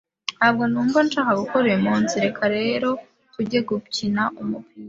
Ntabwo numva nshaka gukora uyumunsi, reka rero tujye gukina umupira.